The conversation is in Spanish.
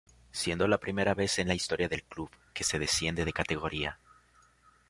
Siendo la primera vez en la historia del club, que se desciende de categoría.